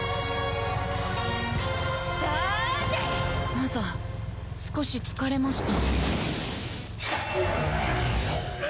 マザー少し疲れました。